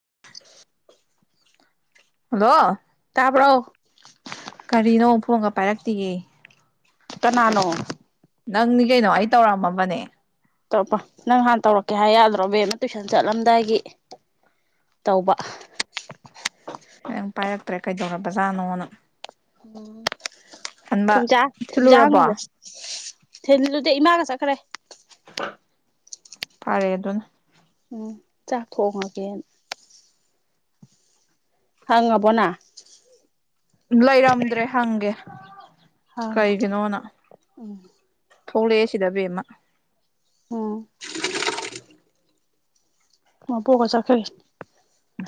[inaudible] hello ꯇꯥꯕꯔꯣ ꯀꯔꯤꯅꯣ ꯐꯣꯟꯒ ꯄꯥꯏꯔꯛꯇꯤꯌꯦ ꯀꯥꯅꯥꯅꯣ ꯅꯪꯅꯤ ꯀꯩꯅꯣ ꯑꯩ ꯇꯧꯔꯝꯃꯕꯅꯦ ꯇꯣꯔꯛꯄ ꯅꯪ ꯍꯥꯟ ꯇꯧꯔꯛꯀꯦ ꯍꯥꯏ ꯌꯥꯗ꯭ꯔꯣ ꯕꯦꯝꯃ ꯇꯨꯏꯁꯟ ꯆꯠꯂꯝꯗꯥꯏꯒꯤ ꯇꯧꯕ ꯅꯪ ꯄꯥꯏꯔꯛꯇ꯭ꯔꯦ ꯀꯩꯗꯧꯔꯕ ꯖꯥꯠꯅꯣꯅ ꯎꯝ ꯊꯣꯏꯕꯤꯆ ꯊꯣꯏꯕꯤꯆ ꯍꯪꯉꯕꯣ ꯊꯤꯜꯂꯨꯔꯕꯣ ꯊꯤꯟ ꯅꯇꯦ ꯏꯃꯥꯒ ꯆꯠꯈ꯭ꯔꯦ ꯐꯔꯦ ꯑꯗꯨꯅ ꯎꯝ ꯆꯥꯛ ꯊꯣꯡꯉꯒꯦꯅ ꯍꯪꯉꯕꯣ ꯅ ꯂꯩꯔꯝꯗ꯭ꯔꯦ ꯍꯪꯒꯦ ꯍꯪꯉꯣ ꯎꯝ ꯊꯧꯛꯂꯛꯑꯦ ꯁꯤꯗ ꯕꯦꯝꯃ ꯑꯣ ꯃꯕꯣꯛꯀ ꯆꯠꯈꯈ꯭ꯔꯦ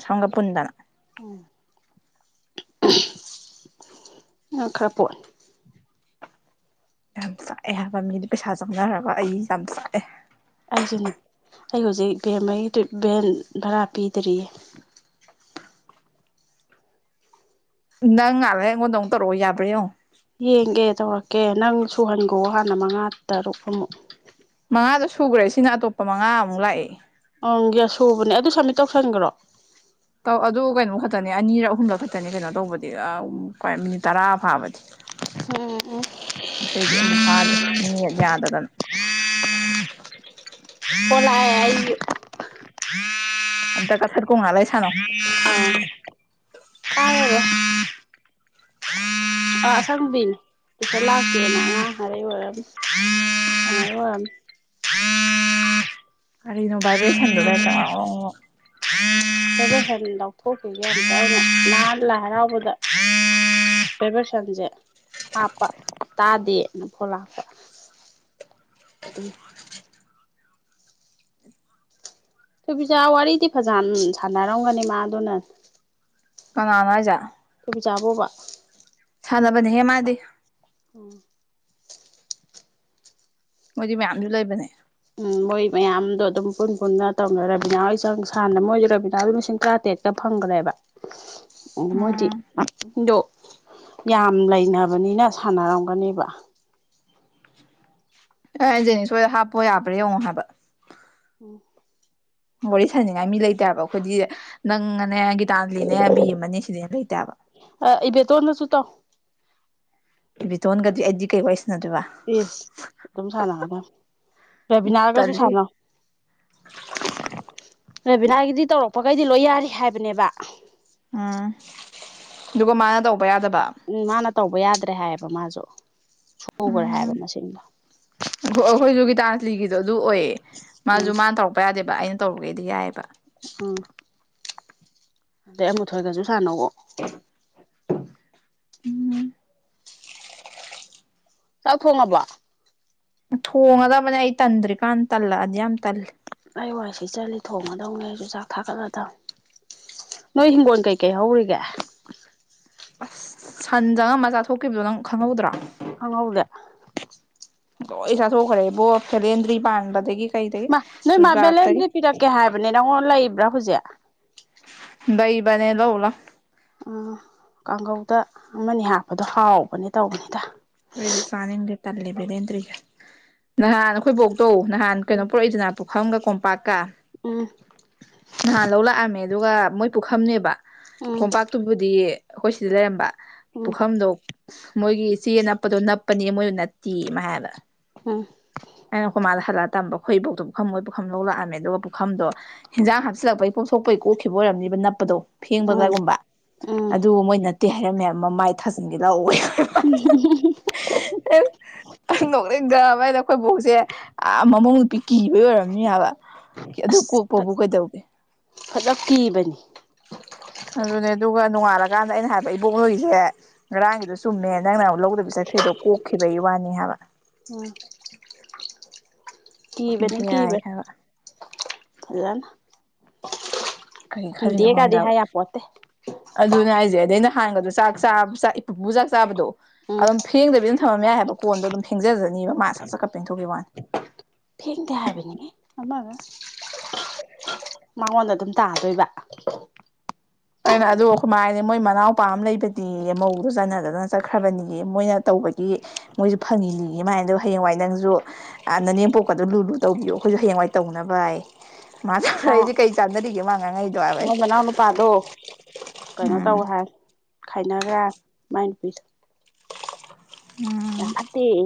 ꯁꯝꯒ ꯄꯨꯨꯟꯗꯅ ꯎꯝ ꯉꯛꯈꯔ ꯄꯣꯛ ꯌꯥꯝ ꯆꯥꯛꯑꯦ ꯍꯥꯏꯕ ꯃꯤꯗꯤ ꯄꯩꯁꯥ ꯆꯪꯅꯔꯒ ꯑꯩ ꯌꯥꯝ ꯆꯥꯛꯑꯦ ꯑꯩꯁꯨꯅꯦ ꯑꯩ ꯍꯧꯖꯤꯛ ꯕꯦꯝꯒꯤ ꯚꯦꯟ ꯚꯔꯥ ꯄꯤꯗ꯭ꯔꯤꯌꯦ ꯅꯪ ꯉꯥꯍꯥꯛ ꯂꯩꯔꯒ ꯑꯩꯉꯣꯟꯗ ꯑꯃꯨꯛ ꯇꯧꯔꯛꯑꯣ ꯌꯥꯕ꯭ꯔ ꯌꯦꯡꯉꯣ ꯌꯦꯡꯒꯦ ꯇꯧꯔꯛꯀꯦ ꯅꯪ ꯁꯨꯍꯟꯒꯣ ꯍꯥꯟꯅ ꯃꯉꯥ ꯇꯔꯨꯛ ꯃꯨꯛ ꯃꯉꯥꯗꯣ ꯁꯨꯈ꯭ꯔꯦ ꯁꯤꯅ ꯑꯇꯣꯞꯄ ꯃꯉꯥꯃꯨꯛ ꯂꯥꯛꯑꯦ ꯎꯪ ꯌꯥꯁ ꯁꯨꯕꯅꯦ ꯑꯗꯨ ꯁꯕꯃꯤꯠ ꯇꯧꯁꯟꯒ꯭ꯔꯣ ꯇꯧ ꯑꯗꯨ ꯀꯩꯅꯣꯝ ꯈꯛꯇꯅꯤ ꯑꯅꯤꯔꯛ ꯑꯍꯨꯝꯂꯛ ꯈꯛꯇꯅꯤ ꯀꯩꯅꯣ ꯇꯧꯕꯗꯤ ꯃꯤꯅꯤꯠ ꯇꯔꯥ ꯐꯥꯕꯗꯤ ꯎꯝ ꯎꯝ ꯑꯇꯩꯗꯤ ꯑꯝꯇ ꯐꯗꯦ ꯅꯦꯠ ꯌꯥꯗꯗꯅ ꯐꯣꯟ ꯂꯛ ꯑꯦ ꯑꯩꯒꯤ ꯑꯝꯇ ꯀꯛꯈꯠꯀꯣ ꯉꯍꯥꯛ ꯑꯥ ꯄꯥꯏꯔꯔꯣꯏ ꯑꯁꯪꯕꯤꯅꯦ ꯇꯨꯏꯁꯟ ꯂꯥꯛꯀꯦꯅ ꯍꯥꯏꯔꯩ ꯑꯣꯏꯔꯝ ꯍꯡꯂꯛ ꯏ ꯑꯣꯏꯔꯝ ꯑꯗꯨ [unintelligible] ꯁꯟ ꯂꯧꯊꯣꯛꯈꯤꯒꯦ ꯑꯝꯇ ꯑꯩꯅ ꯅꯍꯥꯟ ꯂꯥꯢ ꯍꯔꯥꯎꯕꯗ ꯕꯥꯢꯕ꯭ꯔꯦꯁꯟꯖꯦ ꯍꯥꯞꯄ ꯇꯥꯗꯦꯅ ꯐꯣꯂꯥꯛꯄ ꯗꯨꯢ ꯁꯨꯕꯤꯖ ꯋꯥꯔꯤꯗꯤ ꯐꯖꯅ ꯁꯥꯟꯅꯔꯝꯒꯅꯤ ꯃꯥ ꯑꯗꯨꯅ ꯀꯅꯥꯅꯣ ꯍꯥꯢꯖꯦ ꯆꯥꯕꯨꯕ ꯁꯅꯕꯅꯦꯍꯦ ꯃꯥꯗꯤ ꯑꯣ ꯃꯣꯏꯗꯤ ꯃꯌꯥꯝꯁꯨ ꯂꯩꯕꯅꯦ ꯎꯝ ꯃꯣꯏ ꯃꯌꯥꯝꯗꯣ ꯑꯗꯨꯝ ꯄꯨꯟ ꯄꯨꯟꯅ ꯇꯧꯅ ꯔꯕꯤꯅꯥ ꯍꯣꯏ ꯆꯪ ꯁꯥꯟꯅ ꯃꯣꯏꯁꯨ ꯔꯕꯤꯅꯥ ꯂꯤꯁꯤꯡ ꯇ꯭ꯔꯥꯇꯦꯠ ꯇꯦꯠꯇ ꯐꯪꯈ꯭ꯔꯦꯕ ꯑ ꯃꯣꯏꯗꯤ ꯎꯝ ꯗꯣ ꯌꯥꯝ ꯂꯩꯅꯕꯅꯤꯅ ꯁꯥꯟꯅꯔꯝꯒꯅꯦꯕ ꯑꯩ ꯍꯥꯏꯖꯤꯅꯤ ꯁꯣꯏꯗ ꯍꯥꯞꯄꯣ ꯌꯥꯕ꯭ꯔꯥ ꯌꯦꯡꯉꯣ ꯍꯥꯏꯕ ꯎꯝ ꯋꯥꯔꯤ ꯁꯥꯟꯅꯤꯡꯉꯥꯏ ꯃꯤ ꯂꯩꯇꯦ ꯍꯥꯢꯕ ꯑꯈꯣꯏꯗꯤ ꯅꯪꯅꯦ ꯇꯥꯜꯂꯤꯅꯦ ꯕꯦꯝꯃꯅꯦ ꯁꯤꯗꯩ ꯍꯦꯟꯅ ꯂꯩꯇꯦ ꯍꯥꯢꯕ ꯑ ꯏꯕꯦꯇꯣꯟꯗꯁꯨ ꯇꯧ ꯏꯕꯦꯇꯣꯟꯒꯗꯤ ꯑꯩꯗꯤ ꯀꯩ ꯋꯥꯔꯤꯁ ꯏꯁ ꯑꯗꯨꯝ ꯁꯥꯟꯅꯒꯗꯝ ꯔꯦꯕꯤꯅꯥꯒꯁꯨ ꯇꯜꯂꯤ ꯁꯥꯟꯅꯧ [inaudible] ꯔꯦꯕꯤꯅꯥꯒꯤꯗꯤ ꯇꯧꯔꯛꯄꯈꯩꯗꯤ ꯂꯣꯏ ꯌꯥꯔꯤ ꯍꯥꯏꯕꯅꯦꯕ ꯎꯝ ꯑꯗꯨꯒ ꯃꯥꯅ ꯇꯧꯕ ꯌꯥꯗꯕ ꯎꯝ ꯃꯥꯅ ꯇꯧꯕ ꯌꯥꯗ꯭ꯔꯦ ꯍꯥꯏꯌꯦꯕ ꯃꯥꯁꯨ ꯁꯨꯈ꯭ꯔꯦ ꯎꯝ ꯍꯥꯏꯕ ꯃꯁꯤꯡꯗꯣ ꯂꯤꯒꯤꯗꯣ ꯑꯗꯨ ꯑꯣꯏꯌꯦ ꯃꯥꯁꯨ ꯎꯝ ꯃꯥꯅ ꯇꯧꯔꯛꯄ ꯌꯥꯗꯦꯕ ꯑꯩꯅ ꯇꯧꯕꯒꯩꯗꯤ ꯌꯥꯏꯑꯦꯕ ꯑ ꯑꯗꯩ ꯑꯃꯨꯊꯣꯏꯒꯁꯨ ꯁꯥꯟꯅꯧꯑꯣ ꯎꯝ ꯆꯥꯛ ꯊꯣꯡꯉꯕ ꯊꯣꯡꯉꯗꯕꯅꯦ ꯑꯩ ꯇꯟꯗ꯭ꯔꯤꯀꯥꯟ ꯇꯜꯂꯛꯑꯗꯤ ꯌꯥꯝ ꯇꯜꯂꯦ ꯑꯩ ꯋꯥꯏ ꯁꯤꯠꯆꯜꯂꯤ ꯊꯣꯡꯒꯗꯧꯅꯦ ꯑꯩꯁꯨ ꯆꯥꯛ ꯊꯥꯒꯠꯂꯗꯝ ꯅꯣꯏ ꯍꯤꯡꯒꯣꯟ ꯀꯩꯀꯩ ꯍꯧꯔꯤꯒꯦ ꯑꯁ ꯁꯟ ꯆꯪꯉꯝꯃ ꯆꯥꯊꯣꯛꯈꯤꯕꯗꯣ ꯅꯪ ꯈꯪꯍꯧꯗ꯭ꯔꯣ ꯈꯪꯍꯧꯗꯦ ꯂꯣꯢ ꯆꯥꯊꯣꯛꯈ꯭ꯔꯦꯕꯣ ꯕꯦꯂꯦꯟꯗ꯭ꯔꯤ ꯄꯥꯟꯕꯗꯒꯤ ꯀꯩꯗꯒꯤ ꯃꯥ ꯅꯣꯏ ꯃꯥ ꯆꯨꯖꯥꯛꯇꯒꯤ ꯕꯦꯂꯦꯟꯗ꯭ꯔꯤ ꯄꯤꯔꯛꯀꯦ ꯍꯥꯏꯕꯅꯦ ꯅꯪꯉꯣꯟ ꯂꯩꯕ꯭ꯔꯥ ꯍꯧꯖꯤꯛ ꯂꯩꯕꯅꯦ ꯂꯧ ꯂꯥꯎ ꯀꯥꯡꯍꯧꯗ ꯑꯃꯅꯤ ꯍꯥꯞꯄꯗꯣ ꯍꯥꯎꯕꯅꯦ ꯇꯧꯕꯅꯤꯗ ꯑꯩꯗꯤ ꯆꯥꯅꯤꯡꯗꯦ ꯇꯜꯂꯦ ꯕꯦꯂꯦꯟꯗ꯭ꯔꯤꯖꯦ ꯅꯍꯥꯟ ꯅꯈꯣꯏ ꯕꯣꯛ ꯇꯣ ꯅꯍꯥꯟ ꯀꯩꯅꯣ ꯎꯝ ꯄꯨꯔꯛꯏꯗꯅ ꯄꯨꯈꯝꯒ ꯀꯣꯝꯄꯥꯛꯀ ꯎꯝ ꯅꯍꯥꯟ ꯂꯧ ꯂꯛꯑꯝꯃꯦ ꯑꯗꯨꯒ ꯃꯣꯏ ꯄꯨꯈꯝꯅꯦꯕ ꯎꯝ ꯀꯣꯝꯄꯥꯛꯇꯨꯕꯨꯗꯤ ꯑꯩꯈꯣꯏ ꯁꯤꯗ ꯂꯩꯔꯝꯕ ꯄꯨꯈꯝꯗꯣ ꯃꯣꯏꯒꯤ ꯆꯦ ꯅꯞꯄꯗꯣ ꯅꯞꯄꯅꯦ ꯃꯣꯏꯗꯨ ꯅꯠꯇꯦꯌꯦ ꯃꯥ ꯍꯥꯏꯕ ꯎꯝ ꯑꯩꯅ ꯈꯣꯢ ꯃꯥꯗ ꯍꯜꯂꯛꯑ ꯇꯝꯕ ꯈꯣꯏ ꯏꯕꯣꯛꯇꯣ ꯄꯨꯈꯝ ꯃꯣꯏ ꯄꯨꯈꯝ ꯂꯧ ꯂꯥꯛꯑꯝꯃꯦ ꯑꯗꯨꯒ ꯄꯨꯈꯝꯗꯣ ꯍꯦꯟꯖꯥꯡ ꯍꯥꯞꯆꯤꯜꯛꯄꯒꯤ ꯄꯣꯛꯊꯣꯛꯄꯩ ꯀꯣꯛꯈꯤꯕ ꯑꯣꯏꯔꯝꯅꯤꯕ ꯅꯞꯄꯗꯣ ꯎꯝ ꯎꯝ ꯐꯦꯡꯕꯗꯒꯨꯝꯕ ꯎꯝ ꯑꯗꯨ ꯃꯣꯏ ꯅꯠꯇꯦ ꯍꯥꯏꯔꯝꯃꯦ ꯍꯥꯢꯕ ꯃꯃꯥꯏ ꯊꯥꯖꯤꯟꯒꯦ ꯂꯥꯛꯑꯣ [unintelligible] ꯅꯣꯛ ꯍꯥꯏꯕ ꯑꯩꯈꯣꯏ ꯕꯣꯛꯁꯦ ꯑ ꯃꯃꯧ ꯅꯨꯄꯤ ꯀꯤꯕꯩ ꯑꯣꯏꯔꯝꯅꯤ ꯍꯥꯏꯕ ꯀꯦ ꯑꯗꯨ ꯑꯁ ꯀꯣꯛꯄꯕꯨ ꯀꯩꯗꯧꯒꯦ ꯐꯖ ꯀꯤꯕꯅꯤ ꯑꯗꯨꯅꯦ ꯑꯗꯨꯒ ꯅꯣꯡꯉꯥꯜꯂꯀꯥꯟꯗ ꯑꯩꯅ ꯍꯥꯏꯕ ꯏꯕꯣꯛ ꯂꯣꯏꯒꯤꯁꯦ ꯉꯔꯥꯡꯒꯤꯗꯣ ꯆꯨꯝꯃꯦ ꯅꯪꯅ ꯑꯃꯨꯛ ꯂꯧꯗꯕꯤ ꯆꯠ ꯈ꯭ꯔꯤꯗꯣ ꯀꯣꯛꯈꯤꯕꯩ ꯋꯥꯅꯤ ꯍꯥꯏꯕ ꯎꯝ ꯀꯕꯅꯤ ꯌꯥꯏ ꯀꯕ ꯍꯥꯏꯕ ꯐꯖꯅ ꯀꯔꯤ ꯈꯜꯂꯤꯅꯣ ꯈꯪꯗꯦ ꯀꯤꯗꯦꯒꯗꯤ ꯍꯥꯏꯕ ꯍꯥꯏ ꯌꯥꯄꯣꯠꯇꯦ ꯑꯗꯨꯅꯦ ꯍꯥꯏꯁꯦ ꯑꯗꯩ ꯅꯍꯥꯟꯒꯗꯣ ꯆꯥꯛ ꯆꯥꯕ ꯏꯄꯨꯄꯨ ꯆꯥꯛ ꯆꯥꯕꯗꯣ ꯎꯝ ꯑꯗꯨꯝ ꯐꯦꯡꯗꯕꯤ ꯑꯗꯨꯝ ꯊꯝꯃꯝ ꯌꯥꯏ ꯀꯣꯟꯗꯣ ꯑꯗꯨꯝ ꯐꯦꯡꯖꯖꯥꯅꯤꯕ ꯃꯥ ꯁꯠ ꯁꯠꯀ ꯄꯦꯡꯊꯣꯛꯈꯤꯕ ꯋꯥꯅꯤ ꯐꯦꯡꯗꯦ ꯍꯥꯏꯕꯅꯤ ꯑꯃꯒ ꯃꯉꯣꯟꯗ ꯑꯗꯨꯝ ꯇꯥꯗꯣꯏꯕ ꯑꯩꯅ ꯑꯗꯨ ꯑꯩꯈꯣꯏꯃꯅ ꯃꯣꯏ ꯃꯅꯥꯎꯄꯥ ꯑꯃ ꯂꯩꯕꯅꯦꯌꯦ ꯃꯧꯗꯣ ꯆꯥꯟꯅꯗꯅ ꯆꯠꯈ꯭ꯔꯕꯅꯤ ꯃꯣꯏꯅ ꯇꯧ ꯒꯤ ꯃꯣꯏꯖꯨ ꯐꯪꯉꯤꯅꯦꯌꯦ ꯍꯌꯦꯡꯋꯥꯏ ꯅꯪꯁꯨ ꯅꯅꯦꯝꯄꯣꯛꯀꯗꯣ ꯂꯨꯨ ꯇꯧꯕꯤꯌꯣ ꯍꯌꯦꯡꯋꯥꯏ ꯇꯧꯅꯕꯌꯦ ꯃꯥ ꯍꯥꯏꯗꯣ ꯑꯥ ꯑꯩꯁꯦ ꯀꯩ ꯆꯥꯟꯅꯔꯤꯒꯦ ꯃꯥ ꯉꯡꯉꯛꯏꯗꯣ ꯃꯣꯏ ꯃꯅꯥꯎ ꯅꯨꯨꯄꯥꯗꯣ ꯀꯩꯅꯣ ꯇꯧꯋꯦ ꯑꯩꯅ ꯍꯥꯏ ꯈꯥꯏꯅꯈ꯭ꯔꯦ ꯍꯥꯏ ꯃꯥꯏ ꯌꯥꯝ ꯎꯝ ꯐꯠꯇꯦꯌꯦ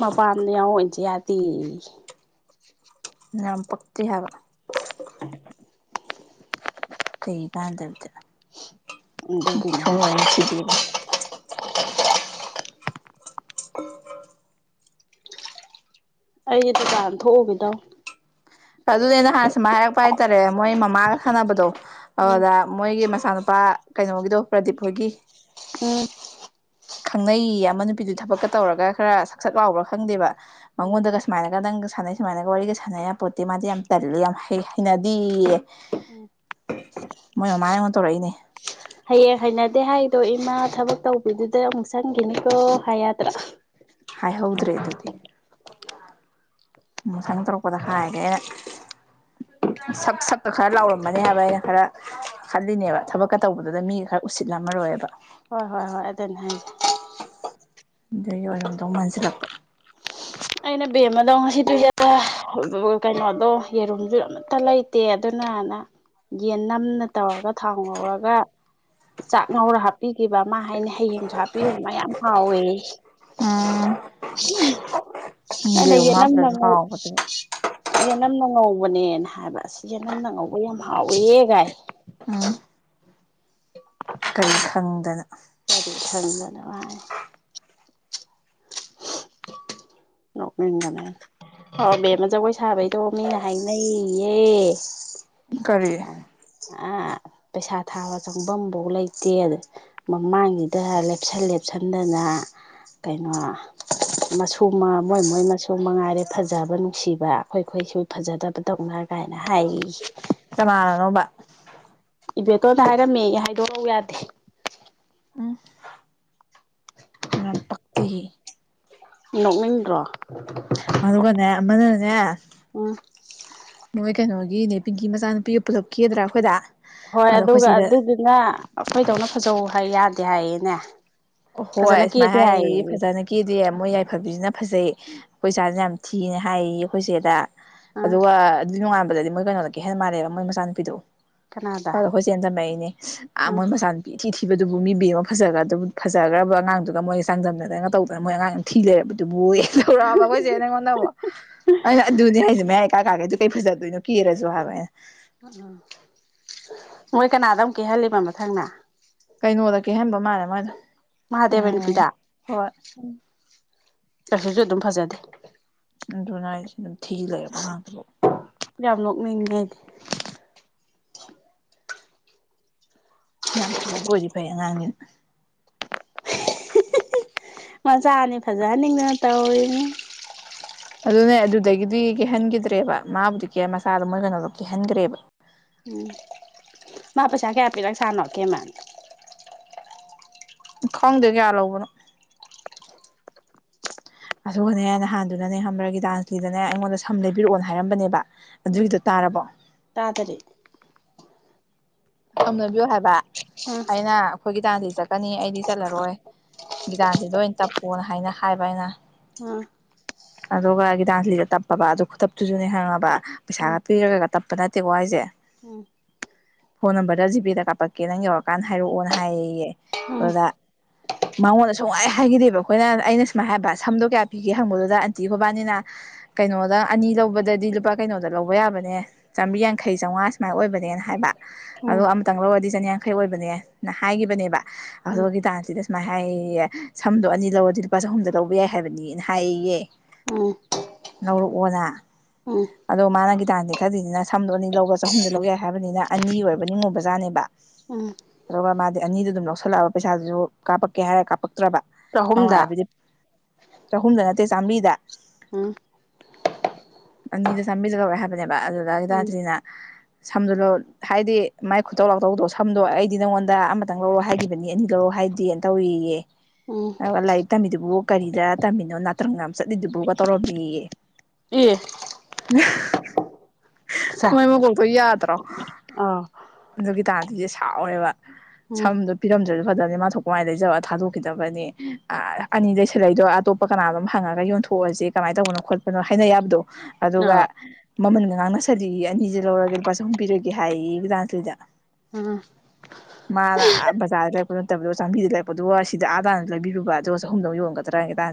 ꯃꯄꯥꯝꯗ ꯌꯑꯣꯡ ꯏꯖ ꯌꯗꯦꯌꯦ ꯌꯥꯝ ꯄꯛꯇꯦ ꯍꯥꯏꯕ ꯀꯩ ꯀꯥꯟꯗꯕꯗ ꯑꯗꯨꯒꯤꯅꯦ ꯁꯨꯅꯨꯡꯍꯦꯛ ꯅꯨꯡꯁꯤꯗꯦꯕꯣ [inaudible] ꯑꯩꯖꯦ ꯗꯨꯀꯥꯟ ꯊꯣꯛꯎꯒꯗꯧꯅꯦ ꯑꯗꯨꯅꯦꯅ ꯍꯥꯟꯅ ꯁꯨꯃꯥꯏꯅ ꯍꯥꯏꯔꯛꯄ ꯍꯥꯏꯇꯥꯔꯦ ꯃꯣꯏ ꯃꯃꯥꯒ ꯁꯥꯟꯅꯕꯗꯣ ꯎꯝ ꯑꯗꯨ ꯃꯣꯏꯒꯤ ꯃꯆꯥ ꯅꯨ ꯄꯥ ꯀꯩꯅꯣꯒꯤꯗꯣ ꯄ꯭ꯔꯗꯤꯞ ꯍꯣꯏꯒꯤ ꯎꯝ ꯈꯪꯅꯩꯌꯦ ꯑꯃ ꯅꯨꯄꯤꯗꯨ ꯊꯕꯛꯀ ꯇꯧꯔꯒ ꯈꯔ ꯁꯛꯁꯛ ꯂꯥꯎꯕ꯭ꯔꯥ ꯈꯪꯗꯦꯕ ꯎꯝ ꯃꯉꯣꯟꯗꯒ ꯁꯨꯃꯥꯏꯅꯒ ꯅꯪ ꯁꯥꯟꯅꯩ ꯁꯨꯃꯥꯏꯅꯒ ꯋꯥꯔꯤꯒ ꯁꯥꯟꯅ ꯌꯄꯣꯠ ꯇꯦ ꯃꯥꯗꯤ ꯌꯥꯝ ꯇꯜꯂꯦ ꯌꯥꯝ ꯍꯩ ꯍꯩꯅꯗꯤꯌꯦ ꯎꯝ ꯃꯣꯏ ꯃꯃꯥꯅ ꯑꯩꯉꯣꯟ ꯇꯧꯔꯛꯏꯅꯦ ꯍꯌꯦꯡ ꯍꯩꯅꯗꯦ ꯍꯥꯏꯗꯣ ꯏꯃꯥ ꯊꯕꯛ ꯇꯧꯕꯤꯗꯨꯗ ꯑꯃꯨꯛ ꯆꯪꯒꯤꯅꯤꯀꯣ ꯍꯥꯏ ꯌꯥꯗ꯭ꯔꯣ ꯍꯥꯏꯍꯧꯗ꯭ꯔꯦ ꯑꯗꯨꯗꯤ ꯃꯊꯪ ꯇꯧꯔꯛꯄꯗ ꯍꯥꯏꯒꯦ ꯑꯩꯅ ꯁꯛ ꯁꯛ ꯈꯔ ꯂꯥꯎꯔꯝꯃꯅꯤ ꯍꯥꯏꯕ ꯑꯩꯅ ꯈꯔ ꯈꯜꯂꯤꯅꯦꯕ ꯊꯕꯛꯀ ꯇꯧꯕꯗꯨꯗ ꯃꯤ ꯈꯔ ꯎꯁꯤꯠꯂꯝꯃꯔꯣꯏꯑꯕ ꯍꯣꯏ ꯍꯣꯏ ꯍꯣꯏ ꯑꯗꯨꯅꯦ ꯍꯥꯏꯖꯦ ꯑꯗꯨꯒꯤ ꯑꯣꯏꯔꯣꯝꯗꯧ ꯃꯥꯟꯁꯤꯜꯂꯛꯄ ꯑꯩꯅ ꯕꯦꯝꯗꯣ ꯉꯁꯤꯗꯨ ꯀꯩꯅꯣꯗꯣ ꯌꯦꯔꯨꯝꯁꯨ ꯑꯃꯠꯇ ꯂꯩꯇꯦ ꯑꯗꯨꯅ ꯅꯥꯟꯅ ꯌꯦꯅꯝꯅ ꯇꯧꯔꯒ ꯊꯥꯎ ꯉꯧꯔꯒ ꯆꯥꯛ ꯉꯧꯔ ꯍꯥꯞꯄꯤꯒꯤꯕ ꯃꯥ ꯍꯥꯏꯅꯦ ꯍꯌꯦꯡꯁꯨ ꯍꯥꯞꯄꯤꯕꯨ ꯃꯥ ꯌꯥꯝ ꯍꯥꯎꯋꯦ ꯎꯝ ꯑꯩꯅ ꯌꯦꯔꯨꯝ ꯌꯦꯅꯝꯅ ꯍꯥꯞꯇ꯭ꯔꯁꯨ ꯉꯧ ꯍꯥꯎꯕꯗꯨꯕꯨ ꯅꯝꯅ ꯉꯧꯕꯅꯦꯅ ꯍꯥꯏꯕ ꯌꯦꯅꯝꯅ ꯉꯧꯕ ꯌꯥꯝ ꯍꯥꯎꯋꯦ ꯒꯥꯏꯌꯦ ꯎꯝ ꯀꯔꯤ ꯈꯪꯗꯅ ꯀꯥꯏꯗꯒꯤ ꯐꯪꯗꯣꯏꯅꯣ ꯃꯥ ꯍꯥꯏ ꯅꯣꯛꯅꯤꯡꯕꯅ ꯑꯩꯗꯤ ꯑꯣꯕꯦꯝꯃ ꯖꯒꯣꯏ ꯁꯥꯕꯩꯗꯣ ꯃꯤꯅ ꯍꯥꯏꯅꯩꯌꯦ ꯀꯔꯤ ꯑꯥ ꯄꯩꯁꯥ ꯊꯥꯕ ꯆꯪꯐꯝꯐꯧ ꯂꯩꯇꯦ ꯑꯗ ꯃꯃꯥꯡꯁꯤꯗ ꯂꯦꯞꯁꯟ ꯂꯦꯞꯁꯟꯗꯅ ꯀꯩꯅꯣ ꯃꯁꯨꯨ ꯃꯣꯏ ꯃꯣꯏ ꯃꯁꯨ ꯃꯉꯥꯏꯔꯦ ꯐꯖꯕ ꯅꯨꯡꯁꯤꯕ ꯑꯩꯈꯣꯏꯈꯣꯏꯁꯨ ꯐꯖꯗꯕꯗꯧꯅ ꯀꯥꯏꯅ ꯍꯥꯏ ꯏ ꯀꯅꯥꯅꯅꯣꯕ ꯏꯕꯦꯇꯣꯟꯅ ꯍꯥꯏꯔꯝꯃꯦ ꯍꯥꯏꯗꯣꯔꯎ ꯌꯥꯗꯦ ꯎꯝ ꯌꯥꯝ ꯄꯛꯇꯦꯍꯦ ꯅꯣꯛꯅꯤꯡꯗ꯭ꯔꯣ ꯑꯗꯨꯒꯅꯦ ꯑꯃꯅꯅꯦ [unintelligible] ꯃꯣꯏ ꯀꯩꯅꯣꯒꯤ ꯅꯦ ꯄꯤꯡꯀꯤ ꯃꯆꯥꯅꯨꯄꯤꯒ ꯄꯨꯂꯞ ꯀꯦꯗ꯭ꯔꯥ ꯑꯩꯈꯣꯏꯗ ꯍꯣꯏ ꯑꯗꯣ ꯑꯩꯈꯣꯏ ꯑꯗꯨꯒ ꯁꯤꯗ ꯑꯗꯨꯗꯨꯅ ꯑꯩꯈꯣꯏꯗꯧꯅ ꯐꯖꯧ ꯍꯥꯏ ꯌꯥꯗꯦ ꯍꯥꯏꯌꯦꯅꯦ ꯍꯣꯏ ꯐꯖꯅ ꯑ ꯁꯨꯃꯥꯏꯅ ꯀꯦꯗꯦ ꯍꯥꯏꯌꯦꯌꯦ ꯍꯥꯏꯌꯦ ꯐꯖꯟꯅ ꯀꯦꯗꯦ ꯃꯣꯏ ꯌꯥꯏꯐꯕꯤꯅ ꯐꯖꯩ ꯑꯈꯣꯏ ꯆꯥ ꯁꯦ ꯌꯥꯝ ꯊꯤꯅ ꯍꯥꯏꯌꯦꯌꯦ ꯑꯩꯈꯣꯏ ꯆꯦꯗ ꯑꯥ ꯑꯗꯨꯒ ꯑꯗꯨ ꯅꯨꯡꯉꯥꯟ ꯗꯗꯤ ꯃꯣꯏ ꯀꯩꯅꯣꯗ ꯀꯦꯍꯟ ꯃꯥꯜꯂꯦꯕ ꯃꯣꯏ ꯃꯆꯥꯅꯨꯄꯤꯗꯨ ꯀꯅꯥꯗ ꯍꯣ ꯍꯣꯏ ꯆꯦꯅ ꯇꯝꯃꯛꯏꯅꯦ ꯑꯥ ꯃꯣꯏ ꯃꯆꯥꯅꯨꯄꯤ ꯊꯤ ꯊꯤꯕꯗꯨꯕꯨ ꯃꯤ ꯕꯤꯌꯣ ꯐꯖꯈ꯭ꯔꯗꯨ ꯐꯖꯈ꯭ꯔꯕ ꯑꯉꯥꯡꯗꯨꯒ ꯃꯣꯏꯒ ꯆꯥꯡꯗꯝꯅꯗꯅ ꯇꯧꯗꯅ ꯃꯣꯏ ꯑꯉꯥꯡꯗꯨ ꯊꯤ ꯂꯩꯔꯕ ꯗꯨꯕꯨꯌꯦ ꯍꯧꯔꯛꯑꯕ ꯑꯈꯣꯏ ꯆꯦꯅ ꯑꯩꯉꯣꯟꯗ ꯃꯨꯛ ꯑꯩꯅ ꯑꯗꯨꯅꯦ ꯍꯥꯏꯁꯦ ꯃꯌꯥ ꯏꯀꯥ ꯀꯥꯒꯩ ꯀꯩ ꯐꯖꯗꯣꯏꯅꯣ ꯀꯦꯔꯁꯨ ꯍꯥꯏꯕ ꯑꯩꯅ ꯃꯣꯏ ꯀꯅꯥꯗ ꯑꯃꯨꯛ ꯀꯦꯍꯜꯂꯤꯕ ꯃꯊꯪꯅ ꯀꯩꯅꯣꯗ ꯀꯦꯍꯟꯕ ꯃꯥꯜꯂꯦ ꯃꯥꯏꯗꯣ ꯃꯍꯥꯗꯦꯕ ꯅꯨꯄꯤꯗ ꯑꯁꯤꯁꯨ ꯑꯗꯨꯝ ꯐꯖꯗꯦ ꯑꯗꯨꯅꯦ ꯍꯥꯢꯁꯦ ꯑꯗꯨꯝ ꯊꯤ ꯂꯩꯔꯕ ꯑꯉꯥꯡꯗꯨꯕꯨ [unintelligible] ꯌꯥꯝ ꯐꯖꯕ ꯑꯣꯏꯗꯤ ꯐꯩ ꯑꯉꯥꯡ ꯅꯦꯅ ꯃꯆꯥꯅꯤ ꯐꯖꯍꯟꯅꯤꯡꯗꯅ ꯇꯧꯔꯤꯅꯤꯅꯦ ꯑꯗꯨꯅꯦ ꯑꯗꯨꯗꯒꯤꯗꯤ ꯀꯦꯍꯟꯈꯤꯗ꯭ꯔꯦꯕ ꯃꯥꯕꯨꯗꯤ ꯀꯦ ꯃꯆꯥꯗꯣ ꯃꯣꯏ ꯀꯩꯅꯣꯗ ꯀꯦꯍꯟꯈ꯭ꯔꯦꯕ ꯎꯝ ꯃꯥ ꯄꯩꯁꯥ ꯀꯌꯥ ꯄꯤꯔꯛꯖꯠꯅꯣ ꯑꯀꯦꯃꯟ ꯈꯪꯗꯦ ꯀꯌꯥ ꯂꯧꯕꯅꯣ [unintelligible] ꯑꯗꯨꯒꯅꯦ ꯅꯍꯥꯟꯗꯨꯅꯅꯦ ꯈꯪꯕ꯭ꯔ ꯒꯤꯇꯥꯟꯖꯂꯤꯗꯅꯦ ꯑꯩꯉꯣꯟꯗ ꯁꯝ ꯂꯩꯕꯤꯔꯛꯑꯣꯅ ꯍꯥꯏꯔꯝꯕꯅꯦꯕ ꯑꯗꯨꯒꯤꯗꯣ ꯇꯥꯔꯕꯣ ꯇꯥꯗꯔꯦ ꯁꯝꯅꯕꯤꯌꯨ ꯍꯥꯏꯕ ꯑꯥ ꯑꯩꯅ ꯑꯈꯣꯏ ꯒꯤꯇꯥꯟ ꯆꯠꯀꯅꯤ ꯑꯩꯗꯤ ꯆꯠꯂꯔꯣꯏ ꯒꯤꯗꯥꯟꯗꯤ ꯑꯣꯏ ꯇꯞꯄꯣꯅ ꯍꯥꯏꯅ ꯍꯥꯏꯕ ꯑꯩꯅ ꯑꯥ [inaudible] ꯑꯗꯨꯒ ꯒꯤꯇꯥꯟꯖ꯭ꯂꯤꯗ ꯇꯞꯄꯕ ꯑꯗꯨ ꯈꯨꯇꯞꯇꯨꯁꯨꯅꯦ ꯈꯪꯉꯕ ꯎꯝ ꯄꯩꯁꯥꯒ ꯄꯤꯔꯒꯒ ꯇꯞꯄ ꯅꯠꯇꯦꯀꯣ ꯍꯥꯏꯁꯦ ꯎꯝ [inaudible] ꯐꯣꯟ ꯅꯝꯕꯔꯗ ꯖꯤ ꯄꯦꯗ ꯀꯥꯞꯄꯛꯀꯦ ꯅꯪ ꯌꯧꯔꯛꯀꯥꯟꯗ ꯍꯥꯏꯔꯛꯑꯣꯅ ꯍꯥꯏꯌꯦꯌꯦ ꯎꯝ ꯑꯗꯨꯗ ꯃꯉꯣꯟꯗ ꯁꯨꯡꯍꯥꯏ ꯍꯥꯏꯒꯤꯗꯦꯕ ꯑꯩꯈꯣꯏꯅ ꯑꯩꯅ ꯁꯨꯃꯥꯏꯅ ꯍꯥꯏꯕ ꯁꯝꯗꯣ ꯀꯌꯥ ꯄꯤꯒꯦ ꯍꯪꯕꯗꯨꯗ ꯑꯟꯇꯤ ꯃꯕꯥꯟꯅꯤꯅ ꯀꯩꯅꯣꯗ ꯑꯅꯤ ꯂꯧꯕꯗꯗꯤ ꯂꯨꯄꯥ ꯀꯩꯅꯣꯗ ꯂꯧꯕ ꯌꯥꯕꯅꯦ ꯆꯥꯝꯕ꯭ꯔꯤ ꯌꯥꯡꯈꯩ ꯆꯝꯉꯥ ꯁꯨꯃꯥꯏꯅ ꯑꯣꯏꯕꯅꯦꯅ ꯍꯥꯏꯕ ꯎꯝ ꯑꯔꯣ ꯑꯝꯇꯪ ꯂꯧꯔꯗꯤ ꯆꯅꯤꯌꯥꯡꯈꯩ ꯑꯣꯏꯕꯅꯦꯅ ꯍꯥꯏꯈꯤꯕꯅꯦꯕ ꯑꯗꯣ ꯒꯤꯇꯥꯟꯗꯤ ꯁꯨꯃꯥꯏꯅ ꯍꯥꯏ ꯁꯝꯗꯣ ꯑꯅꯤ ꯂꯧꯔꯗꯤ ꯂꯨꯄꯥ ꯆꯍꯨꯝꯗ ꯂꯧꯕ ꯌꯥꯏ ꯍꯥꯏꯕꯅꯤꯅ ꯍꯥꯏꯌꯦꯌꯦ ꯎꯝ ꯂꯧꯔꯛꯑꯣꯗ ꯎꯝ ꯎꯝ ꯑꯗꯣ ꯃꯥꯅ ꯒꯤꯇꯥꯟꯗꯤ ꯈꯜꯂꯤꯁꯤꯅ ꯁꯝꯗꯣ ꯑꯅꯤ ꯂꯧꯔꯒ ꯆꯍꯨꯝꯗ ꯂꯧ ꯌꯥꯏ ꯍꯥꯏꯕꯅꯤꯅ ꯑꯅꯤ ꯑꯣꯏꯔꯕ ꯅꯤꯡꯉꯨꯕ ꯖꯥꯠꯅꯦꯕ ꯎꯝ ꯑꯗꯨꯒ ꯃꯥꯗꯤ ꯑꯅꯤꯗꯨ ꯑꯗꯨꯝ ꯂꯧꯁꯜꯂꯛꯑꯕ ꯄꯩꯁꯥꯗꯨꯁꯨ ꯀꯥꯄꯛꯀꯦ ꯍꯥꯏꯔ ꯀꯥꯞꯄꯛ ꯇ꯭ꯔꯕ ꯆꯍꯨꯝꯗ ꯃꯃꯥꯟꯅꯕꯤꯗꯩ ꯆꯍꯨꯝꯗ ꯅꯠꯇꯦ ꯆꯥꯝꯕ꯭ꯔꯤꯗ ꯎꯝ ꯑꯅꯤꯗ ꯆꯝꯕ꯭ꯔꯤꯗ ꯂꯧꯔꯛꯑꯦ ꯍ ꯑꯗꯨꯗ ꯎꯝ ꯒꯤꯇꯥꯟꯖꯂꯤꯅ ꯁꯝꯗꯣ ꯂꯧ ꯍꯥꯏꯗꯤ ꯃꯥꯏ ꯈꯨꯠꯇꯧ ꯂꯥꯎꯇꯧꯗꯣ ꯁꯝꯗꯣ ꯑꯩꯗꯤ ꯅꯪꯉꯣꯟꯗ ꯈꯤꯇꯪ ꯂꯧꯔꯛꯑꯣ ꯍꯥꯏꯒꯤꯕꯅꯤ ꯑꯅꯤ ꯂꯧꯔꯛꯑꯣ ꯍꯥꯏꯗꯦꯅ ꯇꯧꯔꯦꯌꯦ ꯎꯝ ꯑꯗꯨꯒ ꯂꯥꯏꯔꯤꯛ ꯇꯝꯃꯤꯗꯨꯕꯨ ꯀꯔꯤꯗ ꯇꯝꯃꯤꯅꯣ ꯅꯥꯇ꯭ꯔꯪ ꯌꯥꯝ ꯆꯠꯂꯤꯗꯨꯕꯨꯒ ꯇꯧꯔꯝꯃꯦꯌꯦ ꯑꯦ [unintelligible] ꯆꯥꯏ ꯃꯣꯏ ꯃꯀꯣꯛꯇꯣ ꯌꯥꯗ꯭ꯔꯣ ꯑꯥ ꯒꯤꯇꯥꯥꯟꯖꯂꯤ ꯁꯥꯎꯔꯦꯕ ꯎꯝ ꯁꯝꯗꯣ ꯄꯤꯔꯝꯗ꯭ꯔ ꯐꯖꯗꯤ ꯃꯥꯊꯣꯛ ꯃꯥꯢ ꯂꯩꯖꯧꯅ ꯊꯥꯗꯣꯛꯈꯤꯗꯕꯅꯤ ꯑ ꯑꯅꯤ ꯂꯩꯁꯜꯂꯛꯏꯗꯣ ꯑꯇꯣꯞꯄ ꯀꯅꯥ ꯅꯣꯝ ꯍꯪꯉꯒ ꯌꯣꯟ ꯄꯨꯔꯁꯦ ꯀꯃꯥꯏ ꯇꯧꯕꯅꯣ ꯈꯣꯠꯅꯣ ꯍꯥꯏꯅ ꯌꯥꯕꯗꯣ ꯑꯥ ꯑꯗꯨꯒ ꯃꯃꯟꯒ ꯉꯥꯡꯅꯁꯜꯂꯦꯌꯦ ꯑꯅꯤꯁꯦ ꯂꯧꯔꯒꯦ ꯂꯨꯄꯥ ꯆꯍꯨꯝ ꯄꯤꯔꯒꯦ ꯍꯩꯕꯖꯥꯠ ꯆꯨꯖ ꯎꯝ ꯃꯥꯅ ꯑꯥ ꯕꯖꯥꯔꯗ ꯑꯩꯈꯣꯏ ꯅꯠꯇꯕꯤꯗ ꯆꯥꯃꯤꯗ ꯂꯩꯔꯛꯄꯗꯨꯕꯨ ꯁꯤꯗ ꯑꯥꯗꯥꯅ ꯂꯩꯕꯤꯔꯨꯕ ꯑꯗꯣ ꯆꯍꯨꯝꯗ ꯌꯣꯟꯒꯗ꯭ꯔꯥꯒ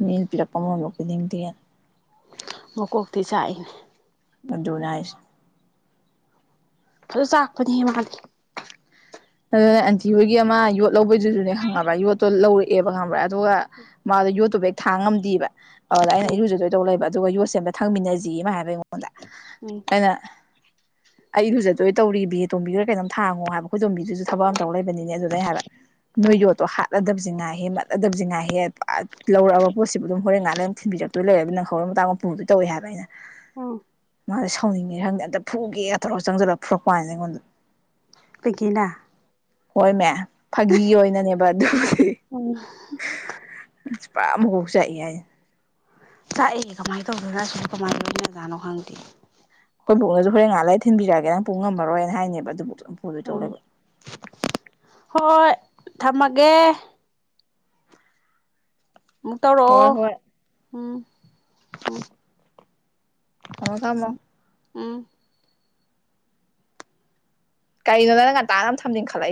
[unintelligible] ꯃꯤ ꯄꯤꯔꯛꯄ ꯃꯃꯟꯕꯧ ꯄꯤꯅꯤꯡꯗꯦ ꯃꯀꯣꯛꯇꯤ ꯆꯥꯛꯏꯅꯦ ꯃꯗꯨꯅꯦ ꯍꯥꯏꯁꯦ ꯐꯖ ꯆꯥꯛꯄꯅꯦꯍꯦ ꯃꯥꯗꯤ ꯑꯗꯨꯅꯦ ꯑꯟꯇꯤ ꯍꯣꯏꯒꯤ ꯑꯃ ꯌꯣꯠ ꯂꯧꯕꯩꯗꯨꯁꯨꯅꯦ ꯈꯪꯉꯕ꯭ꯔꯥ ꯌꯣꯠꯇꯣ ꯂꯧꯔꯛꯑꯦꯕ ꯈꯪꯉꯕ꯭ꯔꯥ ꯑꯗꯨꯒ ꯃꯥꯗꯣ ꯌꯣꯠꯇꯨꯕꯨ ꯍꯦꯛ ꯊꯥꯡ ꯉꯝꯗꯦꯕ ꯑꯗꯨꯗ ꯑꯩꯅ ꯎꯝ ꯏꯔꯨꯖꯗꯣꯏ ꯇꯧ ꯂꯩꯕ ꯑꯗꯨꯒ ꯌꯣꯠꯁꯦ ꯑꯝꯇ ꯊꯥꯡꯃꯤꯟꯅꯖꯦꯌꯦ ꯃꯥ ꯍꯥꯏꯕ ꯑꯩꯉꯣꯟꯗ ꯎꯝ ꯑꯩꯅ ꯑꯩ ꯏꯔꯨꯖꯗꯣꯢ ꯇꯧꯔꯤ ꯕꯦ ꯇꯣꯝꯕꯤꯒꯔ ꯀꯩꯅꯣꯝ ꯊꯥꯡꯉꯣ ꯍꯥꯏꯕ ꯑꯩꯈꯣꯏ ꯇꯣꯝꯕꯤ ꯗꯨꯖꯨ ꯊꯕꯛ ꯑꯃ ꯇꯧ ꯂꯩꯕꯅꯤꯅꯦ ꯑꯗꯨꯗ ꯑꯩ ꯍꯥꯏꯕ ꯅꯣꯏ ꯎꯝ ꯌꯣꯠꯇꯣ ꯍꯥꯠꯂꯗꯕꯁꯤ ꯉꯥꯏꯍꯦ ꯃꯠꯂꯗꯕꯕꯁꯤ ꯉꯥꯏꯍꯦ ꯂꯧꯔꯛꯑꯕ ꯄꯣꯠꯁꯤꯕꯨ ꯑꯗꯨꯝ ꯍꯣꯔꯦꯟ ꯉꯥꯛꯂꯩ ꯑꯗꯨꯝ ꯊꯤꯟꯕꯤ ꯔꯛꯇꯧ ꯂꯩꯔꯗꯨ ꯅꯪꯍꯧꯔꯣꯢ ꯃꯇꯥꯒꯨꯝ ꯄꯨꯗꯣꯢ ꯇꯧꯋꯦ ꯍꯥꯏꯕ ꯑꯩꯅ ꯎꯝ ꯃꯥꯖꯦ ꯁꯥꯎꯅꯤꯡꯉꯤꯔ ꯈꯪꯗꯦ ꯑꯝꯇ ꯐꯨꯒꯦꯒ ꯇꯧꯔꯒ ꯆꯪꯖꯤꯜꯂꯒ ꯐꯨꯔꯛꯄ ꯋꯥꯅꯤꯗ ꯑꯩꯉꯣꯟꯗ ꯄꯤꯡꯀꯤꯅ ꯍꯣꯏꯃꯦ ꯐꯥꯒꯤ ꯑꯣꯏꯅꯅꯦꯕ ꯑꯗꯨꯕꯨꯗꯤ ꯑꯝ ꯍ ꯐ ꯃꯀꯣꯛ ꯆꯥꯛꯏ ꯍꯥꯢꯖꯤꯅꯦ ꯆꯥꯛꯑꯦ ꯀꯃꯥꯏ ꯇꯧꯗꯣꯏꯅꯣ ꯑꯁꯤꯕꯨ ꯀꯃꯥꯏ ꯂꯣꯢꯅꯖꯥꯠꯅꯣ ꯈꯪꯗꯦ ꯈꯣꯏ ꯕꯨꯕꯣꯛꯅꯖꯨ ꯍꯣꯔꯦꯟ ꯉꯍꯥꯛ ꯂꯩꯔ ꯊꯤꯟꯕꯤꯔꯛꯒꯦ ꯅꯪ ꯄꯨ ꯉꯝꯃꯔꯣꯏꯅ ꯍꯥꯏꯅꯦꯕ ꯑꯗꯨꯕꯧꯁꯨ ꯎꯝ ꯍꯣꯏ ꯊꯝꯃꯒꯦ ꯑꯃꯨꯛ ꯍꯣꯏ ꯇꯧꯔꯛꯑꯣ ꯍꯣꯏ ꯎꯝ ꯎꯝ ꯑꯃꯨꯛ ꯊꯝꯃꯣ ꯎꯝ ꯀꯩꯅꯣ ꯅꯪꯅ ꯉꯟꯇꯥꯅ ꯊꯝꯅꯤꯡꯈꯠꯂꯛ